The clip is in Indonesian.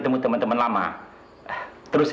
ada para resmi di seluruh sungai